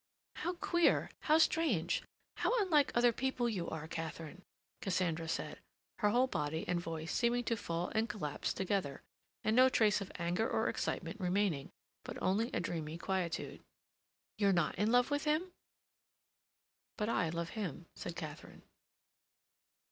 "How queer, how strange, how unlike other people you are, Katharine," Cassandra said, her whole body and voice seeming to fall and collapse together, and no trace of anger or excitement remaining, but only a dreamy quietude. "You're not in love with him?" "But I love him," said Katharine.